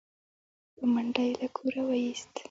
په منډه يې له کوره و ايست